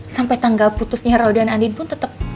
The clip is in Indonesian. sampai tanggal putusnya rodean andin pun tetep